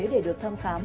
để được thăm khám